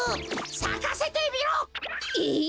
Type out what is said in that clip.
さかせてみろ！えっ！？